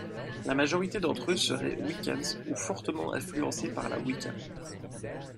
La majorité d'entre eux seraient wiccans ou fortement influencés par la wicca.